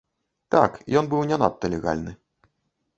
Так, ён быў не надта легальны.